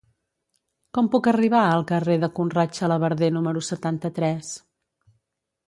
Com puc arribar al carrer de Conrad Xalabarder número setanta-tres?